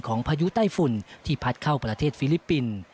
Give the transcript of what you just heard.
พายุใต้ฝุ่นที่พัดเข้าประเทศฟิลิปปินส์